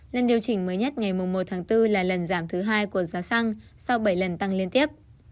lần điều chỉnh mới nhất ngày một tháng bốn là lần giảm thứ hai của giá xăng sau bảy lần tăng liên tiếp